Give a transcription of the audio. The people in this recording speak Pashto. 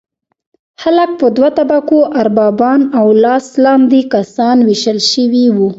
خلک په دوه طبقو اربابان او لاس لاندې کسان ویشل شوي وو.